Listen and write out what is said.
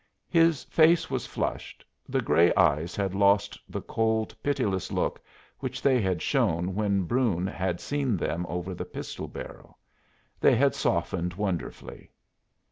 His face was flushed, the gray eyes had lost the cold, pitiless look which they had shown when Brune had seen them over the pistol barrel; they had softened wonderfully.